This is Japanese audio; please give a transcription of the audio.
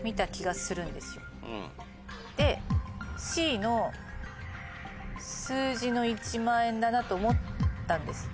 でＣの数字の１００００円だなと思ったんです。